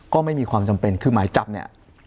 ก็ไม่มีความจำเป็นคือหมายจับเนี่ย